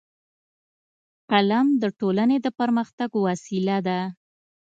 قلم د ټولنې د پرمختګ وسیله ده